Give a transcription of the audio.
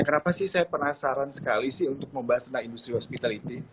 kenapa sih saya penasaran sekali sih untuk membahas tentang industri hospitality